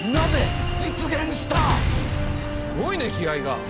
すごいね気合いが。